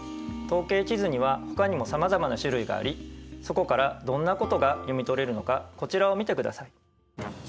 統計地図にはほかにもさまざまな種類がありそこからどんなことが読み取れるのかこちらを見てください。